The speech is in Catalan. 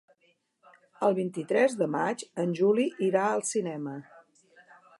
El vint-i-tres de maig en Juli irà al cinema.